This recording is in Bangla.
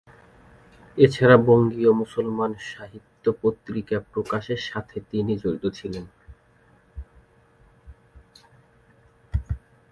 এছাড়াও বঙ্গীয় মুসলমান সাহিত্য পত্রিকা প্রকাশনার সাথে তিনি জড়িত ছিলেন।